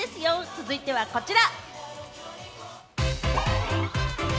続いてはこちら。